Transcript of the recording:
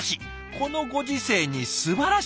このご時世にすばらしい！